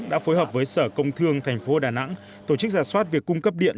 đã phối hợp với sở công thương tp đà nẵng tổ chức giả soát việc cung cấp điện